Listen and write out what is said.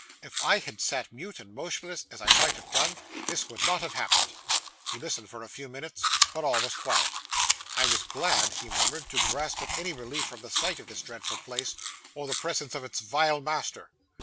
If I had sat mute and motionless, as I might have done, this would not have happened.' He listened for a few minutes, but all was quiet. 'I was glad,' he murmured, 'to grasp at any relief from the sight of this dreadful place, or the presence of its vile master.